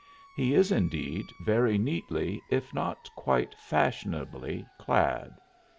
He is, indeed, very neatly, if not quite fashionably, clad.